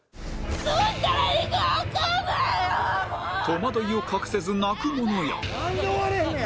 戸惑いを隠せず泣く者や